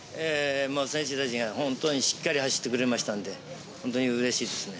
選手たちが本当にしっかり走ってくれましたので、本当に嬉しいですね。